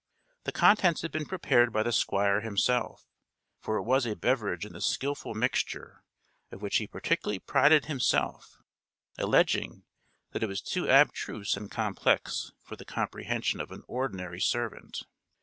The contents had been prepared by the Squire himself; for it was a beverage in the skilful mixture of which he particularly prided himself; alleging that it was too abstruse and complex for the comprehension of an ordinary servant.